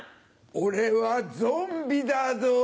俺はゾンビだぞ！